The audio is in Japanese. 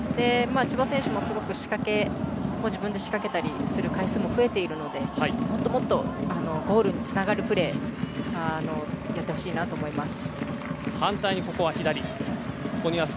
千葉選手もすごく自分で仕掛ける回数も増えているので、もっともっとゴールにつながるプレーをやってほしいなと思います。